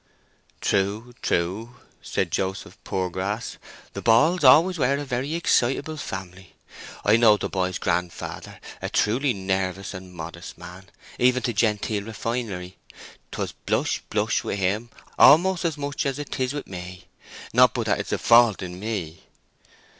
"True, true," said Joseph Poorgrass. "The Balls were always a very excitable family. I knowed the boy's grandfather—a truly nervous and modest man, even to genteel refinery. 'Twas blush, blush with him, almost as much as 'tis with me—not but that 'tis a fault in me!"